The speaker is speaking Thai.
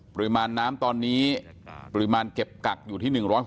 ปริมาณน้ำตอนนี้ปริมาณเก็บกักอยู่ที่๑๖๐